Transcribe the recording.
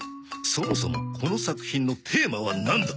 そもそもこの作品のテーマはなんだ！？